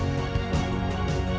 namun diantara mereka